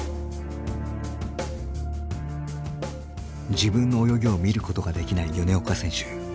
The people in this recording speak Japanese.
自分の泳ぎを見ることができない米岡選手。